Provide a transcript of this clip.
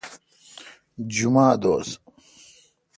جمعہ